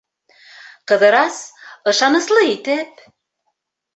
Ҡыҙырас, ышаныслы итеп: